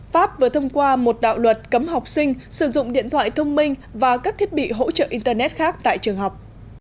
pháp vừa thông qua một đạo luật cấm học sinh sử dụng điện thoại thông minh và các thiết bị hỗ trợ internet khác tại trường học